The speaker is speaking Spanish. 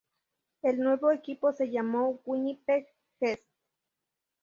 El nuevo equipo se llamó "Winnipeg Jets".